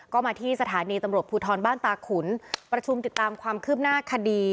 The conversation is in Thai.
ก็มาที่สถานีตำรวจภูทรบ้านตาขุนประชุมติดตามความคืบหน้าคดี